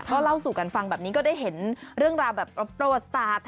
ก็เล่าสู่กันฟังแบบนี้ก็ได้เห็นเรื่องราวแบบประวัติศาสตร์